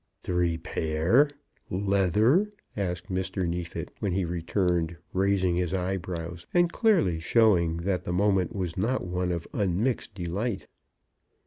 "Three pair? leather?" asked Mr. Neefit, when he returned, raising his eyebrows, and clearly showing that the moment was not one of unmixed delight.